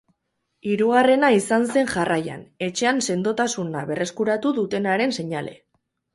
Hirugarrena izan zen jarraian, etxean sendotasuna berreskuratu dutenaren seinale.